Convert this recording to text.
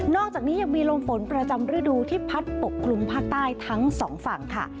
อกจากนี้ยังมีลมฝนประจำฤดูที่พัดปกคลุมภาคใต้ทั้งสองฝั่งค่ะ